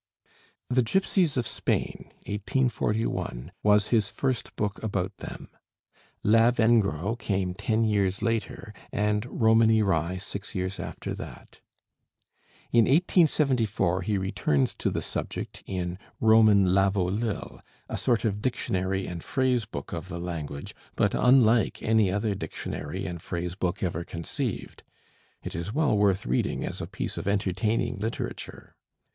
'The Gipsies of Spain' (1841) was his first book about them; 'Lavengro' came ten years later, and 'Romany Rye' six years after that. In 1874 he returns to the subject in 'Roman Lavo lil,' a sort of dictionary and phrase book of the language, but unlike any other dictionary and phrase book ever conceived: it is well worth reading as a piece of entertaining literature.